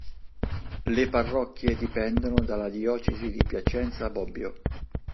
Le parrocchie dipendono dalla diocesi di Piacenza-Bobbio.